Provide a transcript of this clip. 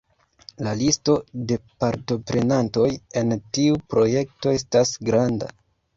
La listo de partoprenantoj en tiu projekto estas granda.